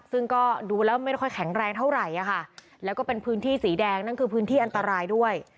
ซึ่งก็ดูแล้วไม่ค่อยแข็งแรงเท่าไหร่ค่ะแล้วก็เป็นพื้นที่สีแดงนั่นคือพื้นที่อันตรายด้วย